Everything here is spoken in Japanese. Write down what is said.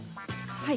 はい。